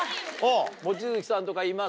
望月さんとかいます？